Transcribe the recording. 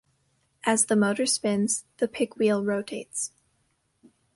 As the motor spins, the pick wheel rotates.